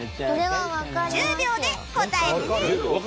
１０秒で答えてね